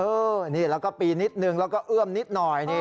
เออนี่แล้วก็ปีนิดนึงแล้วก็เอื้อมนิดหน่อย